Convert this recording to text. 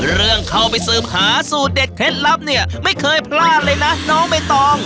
เรื่องเข้าไปสืบหาสูตรเด็ดเคล็ดลับเนี่ยไม่เคยพลาดเลยนะน้องใบตอง